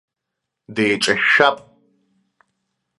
Деиҿышәшәап.